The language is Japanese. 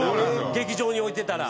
劇場に置いてたら。